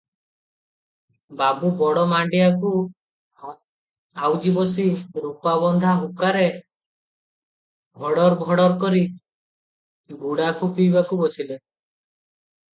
ବାବୁ ବଡ଼ ମାଣ୍ଡିଟାକୁ ଆଉଜି ବସି ରୂପାବନ୍ଧା ହୁକାରେ ଭଡ଼ର ଭଡ଼ର କରି ଗୁଡାଖୁ ପିଇବାକୁ ବସିଲେ ।